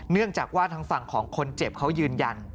เนื่องจากว่าทางฝั่งของคนเจ็บเขายืนยัน